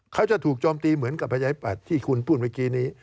เขาจะถูกโจมตีเหมือนกับประชาธิปัตย์ที่คุณพูดเมื่อกี้นี้